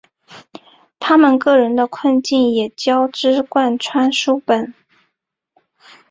他们个人的困境也交织贯穿本书。